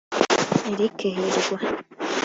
Eric Hirwa